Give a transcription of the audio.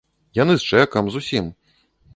Яны з чэкам, з усім.